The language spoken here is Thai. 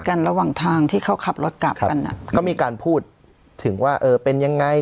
ระหว่างทางที่เขาขับรถกลับกันอ่ะก็มีการพูดถึงว่าเออเป็นยังไง